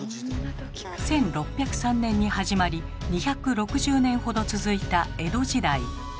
１６０３年に始まり２６０年ほど続いた江戸時代。